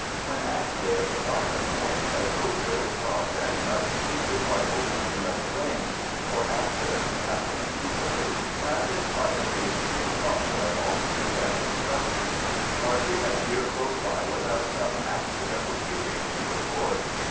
When actually at the firing point, a soldier is taught that he must "keep his rifle pointing up the range," for accidents happen easily, and, in spite of the extreme caution of officers and instructors, hardly a year goes by without some accidental shooting to record.